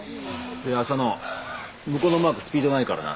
浅野向こうのマークスピードないからな。